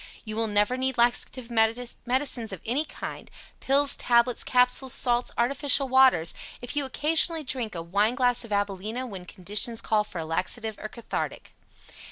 You will never need laxative medicines of any kind pills, tablets, capsules, salts, artificial waters if you occasionally drink a wine glass of AbilenA when conditions call for a laxative or cathartic.